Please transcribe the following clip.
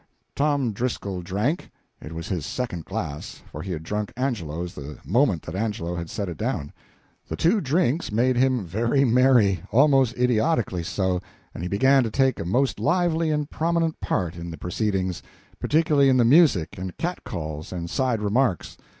Tom Driscoll drank. It was his second glass, for he had drunk Angelo's the moment that Angelo had set it down. The two drinks made him very merry almost idiotically so and he began to take a most lively and prominent part in the proceedings, particularly in the music and cat calls and side remarks.